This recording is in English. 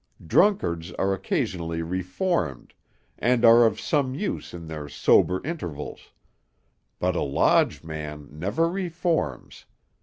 Drunkards are occasionally reformed, and are of some use in their sober intervals; but a lodge man never reforms.